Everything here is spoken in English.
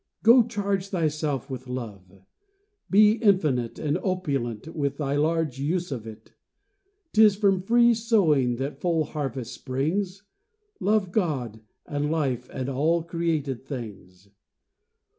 Go, charge thyself with love; be infinite And opulent with thy large use of it: 'Tis from free sowing that full harvest springs; Love God and life and all created things.